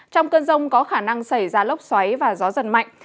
trong cơn rông có khả năng xảy ra lốc xoáy và gió giật mạnh